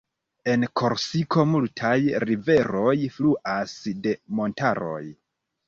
En Korsiko multaj riveroj fluas de montaroj.